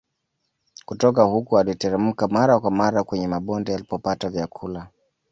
Kutoka huko aliteremka mara kwa mara kwenye mabonde alipopata vyakula